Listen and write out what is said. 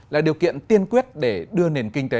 là điều kiện tiên quyết để đưa nền kinh tế